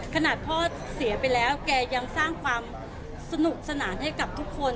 ขนาดพ่อเสียไปแล้วแกยังสร้างความสนุกสนานให้กับทุกคน